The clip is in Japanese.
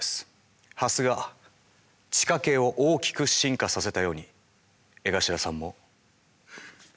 ハスが地下茎を大きく進化させたように江頭さんも。